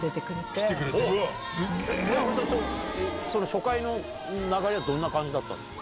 初回の流れはどんな感じだったんですか？